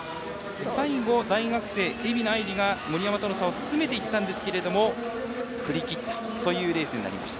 最後、大学生・蝦名愛梨が森山との差を詰めていったんですけど振り切ったというレースでした。